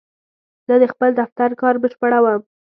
زه د خپل دفتر کار بشپړوم.